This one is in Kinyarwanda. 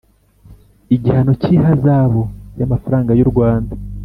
Igihano cy ihazabu y amafaranga y urwanda